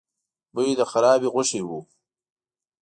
بوی د خرابې غوښې و.